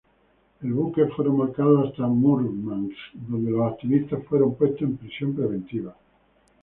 El buque fue remolcado hasta Múrmansk donde los activistas fueron puestos en prisión preventiva.